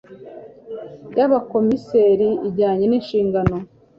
y abakomiseri ijyanye n inshingano